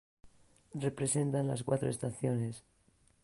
Representan las cuatro estaciones.